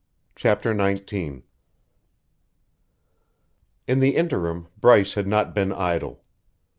CHAPTER XIX In the interim Bryce had not been idle.